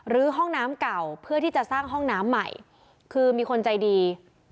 ห้องน้ำเก่าเพื่อที่จะสร้างห้องน้ำใหม่คือมีคนใจดี